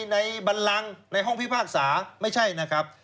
บันลังในห้องพิพากษาไม่ใช่นะครับ